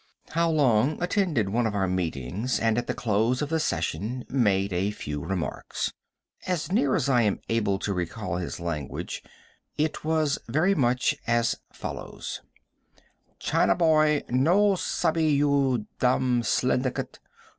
How Long attended one of our meetings and at the close of the session made a few remarks. As near as I am able to recall his language, it was very much as follows: "China boy no sabbe you dam slyndicate.